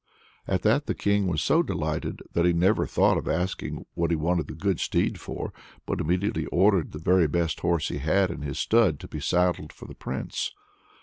At that the king was so delighted that he never thought of asking what he wanted a good steed for, but immediately ordered the very best horse he had in his stud to be saddled for the prince.